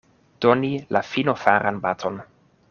Doni la finofaran baton.